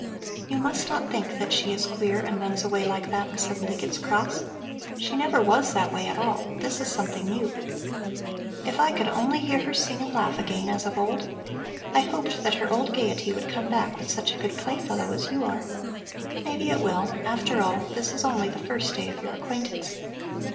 You must not think that she is queer and runs away like that and suddenly gets cross. She never was that way at all; this is something new. If I only could hear her sing and laugh again as of old. I hoped that her old gaiety would come back with such a good playfellow as you are. Maybe it will; after all, this is only the first day of your acquaintance.